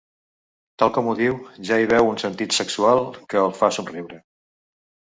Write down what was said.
Tal com ho diu ja hi veu un sentit sexual que el fa somriure.